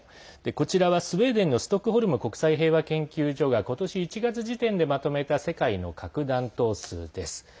こちらはスウェーデンのストックホルム国際平和研究所が今年１月時点でまとめた世界の核弾頭数です。